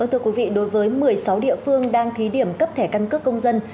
thưa quý vị đối với một mươi sáu địa phương đang thí điểm cấp thẻ căn cước công dân